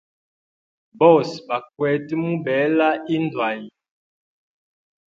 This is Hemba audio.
Bose bakwete mubela indu hayi.